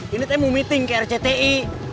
aduh ini temen meeting ke rcti